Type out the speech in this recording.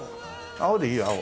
青でいいや青。